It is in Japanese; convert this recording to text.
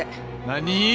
何？